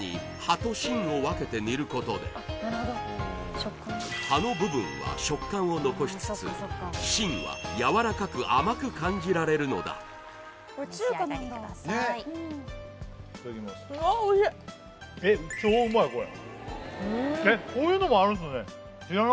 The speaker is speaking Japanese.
さらに葉の部分は食感を残しつつ芯はやわらかく甘く感じられるのだお召し上がりくださいうわ